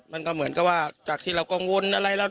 มันก็เหมือนกับว่าจากที่เรากังวลอะไรแล้ว